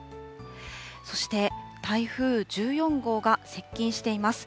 そして、台風１４号が接近しています。